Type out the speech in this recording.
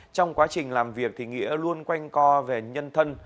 trong quá trình làm việc nghĩa luôn quanh co về nhân thân